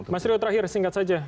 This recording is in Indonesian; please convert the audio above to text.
mas rio terakhir singkat saja